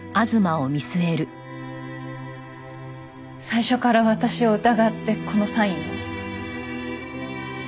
最初から私を疑ってこのサインを？